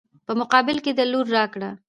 په مقابل کې د لور راکړه.